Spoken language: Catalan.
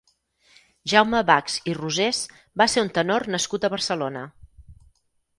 Jaume Bachs i Rosés va ser un tenor nascut a Barcelona.